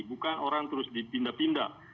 bukan orang terus dipindah pindah